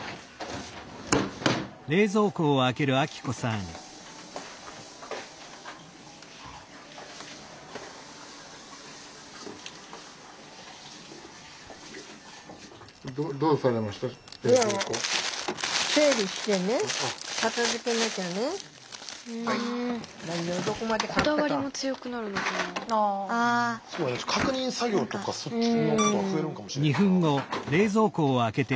確認作業とかそっちのことが増えるんかもしれへんな。